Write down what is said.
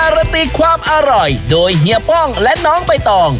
ระตีความอร่อยโดยเฮียป้องและน้องใบตอง